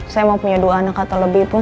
saya mau punya dua anak atau lebih pun